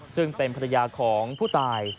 ซึ่งเป็นภรรยาของผู้ตาย